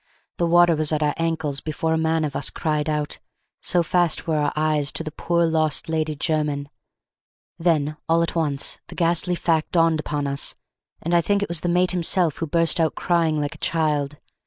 The water was at our ankles before a man of us cried out, so fast were our eyes to the poor lost Lady Jermyn. Then all at once the ghastly fact dawned upon us; and I think it was the mate himself who burst out crying like a child.